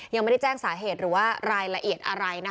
ยังไม่ได้แจ้งสาเหตุหรือว่ารายละเอียดอะไรนะคะ